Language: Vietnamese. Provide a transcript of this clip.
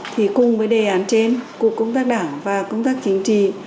thì cùng với đề án trên cục công tác đảng và công tác chính trị